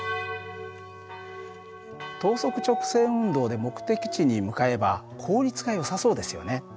等速直線運動で目的地に向かえば効率がよさそうですよね。